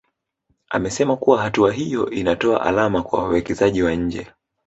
Amesema kuwa hatua hiyo inatoa alama kwa wawekezaji wa nje